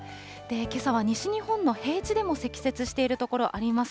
けさは西日本の平地でも積雪している所あります。